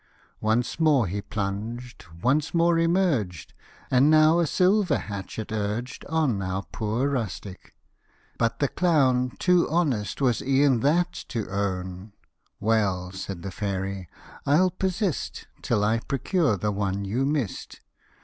Once more he plunged : once more emerged, And now a silver hatchet urged On our poor rustic ; but the clown Too honest was e'en that to own ;" Well," said the fairy, " I'll persist Till I procure the one you miss'd."